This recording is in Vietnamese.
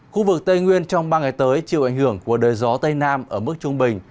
khu vực tây nguyên trong ba ngày tới chịu ảnh hưởng của đời gió tây nam ở mức trung bình